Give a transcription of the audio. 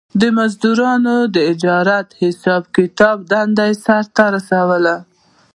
د مزدورانو د اجرت حساب کتاب کولو دنده سر ته رسوله